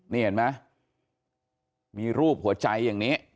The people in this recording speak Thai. นี่เห็นไหมมีรูปหัวใจอย่างนี้